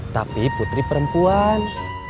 tapi putri perempuan